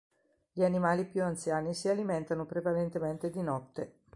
Gli animali più anziani si alimentano prevalentemente di notte.